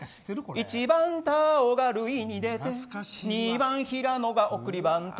一番田尾が塁に出て二番平野が送りバント。